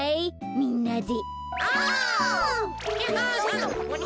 みんなで。